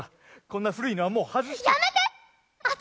こんな古いのはもう外して。